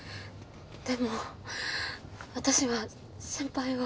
でも私は先輩を。